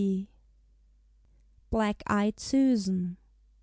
BLACK EYED SUSAN.